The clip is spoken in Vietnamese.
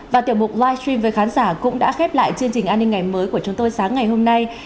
và tiểu mục live stream với khán giả cũng đã khép lại chương trình an ninh ngày mới của chúng tôi sáng ngày hôm nay